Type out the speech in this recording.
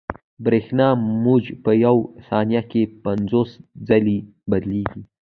د برېښنا موج په یوه ثانیه کې پنځوس ځلې بدلېږي.